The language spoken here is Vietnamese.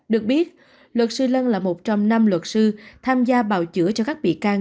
được biết luật sư lân là một trong năm luật sư tham gia bào chữa cho các bị can